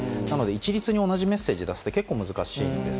一律に同じメッセージを出すのは難しいです。